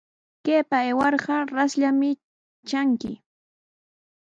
Kaypa aywarqa rasllami tranki.